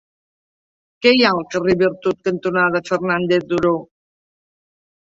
Què hi ha al carrer Virtut cantonada Fernández Duró?